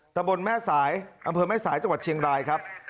ตะบนแม่สายอำเภอแม่สายจังหวัดเชียงรายครับ